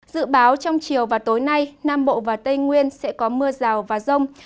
dự báo trong chiều và tối nay nam bộ và tây nguyên sẽ có mưa rào và rông